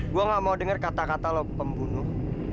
gue gak mau dengar kata kata lo pembunuh